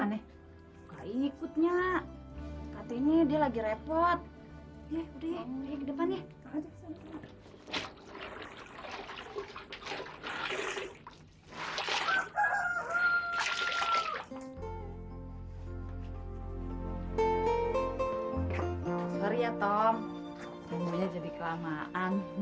semuanya jadi kelamaan